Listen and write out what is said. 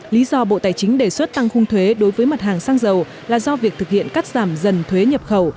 lý do bộ tài chính đề xuất tăng khung thuế đối với mặt hàng xăng dầu là do việc thực hiện cắt giảm dần thuế nhập khẩu